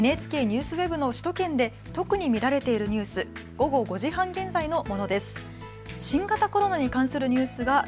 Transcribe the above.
ＮＨＫＮＥＷＳＷＥＢの首都圏で特に見られているニュース、午後５時半現在のものです。